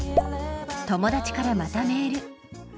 友達からまたメール。